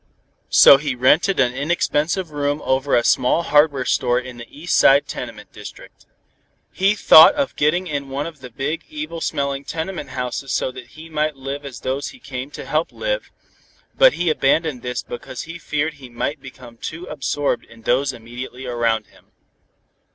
So he rented an inexpensive room over a small hardware store in the East Side tenement district. He thought of getting in one of the big, evil smelling tenement houses so that he might live as those he came to help lived, but he abandoned this because he feared he might become too absorbed in those immediately around him.